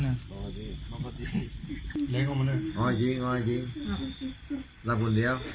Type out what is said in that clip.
ยาไอ๑๐๐จี